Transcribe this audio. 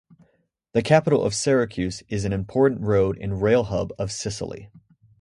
The capital of Syracuse is an important road and rail hub of Sicily.